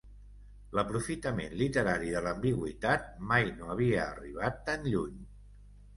L'aprofitament literari de l'ambigüitat mai no havia arribat tan lluny.